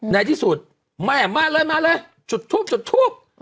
ในที่สุดแม่มาเลยจุดทูบ